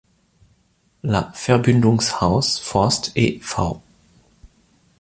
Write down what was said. La Verbuendungshaus fforst e.V.